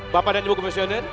bapak dan ibu komisioner